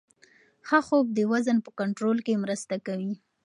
ښه خوب د وزن په کنټرول کې مرسته کوي.